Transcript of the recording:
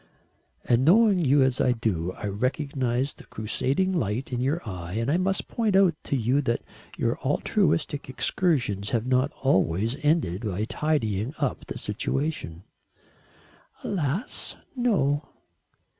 "And knowing you as I do, I recognise the crusading light in your eye and I must point out to you that your altruistic excursions have not always ended by tidying up the situation." "Alas, no."